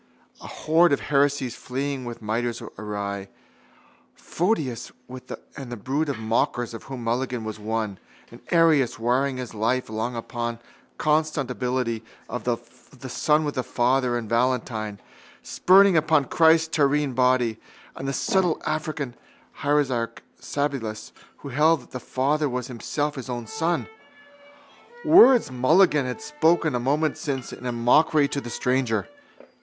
A horde of heresies fleeing with mitres awry: Photius and the brood of mockers of whom Mulligan was one, and Arius, warring his life long upon the consubstantiality of the Son with the Father, and Valentine, spurning Christ's terrene body, and the subtle African heresiarch Sabellius who held that the Father was Himself His own Son. Words Mulligan had spoken a moment since in mockery to the stranger.